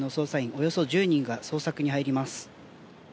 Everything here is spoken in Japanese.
およそ１０人が捜索に入ります。